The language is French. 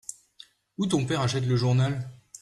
Où ton père achète le journal ?